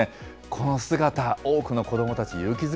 この姿、多くの子どもたち、勇気